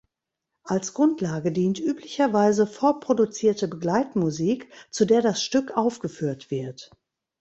Als Grundlage dient üblicherweise vorproduzierte Begleitmusik, zu der das Stück aufgeführt wird.